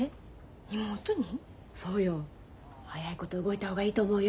早いこと動いた方がいいと思うよ。